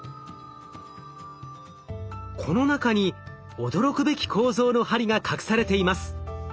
この中に驚くべき構造の針が隠されています。